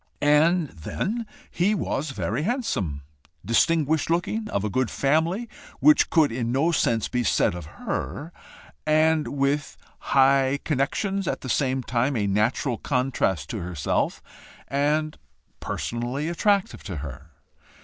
And then he was very handsome, distinguished looking, of a good family, which could in no sense be said of her, and with high connections at the same time a natural contrast to herself, and personally attractive to her.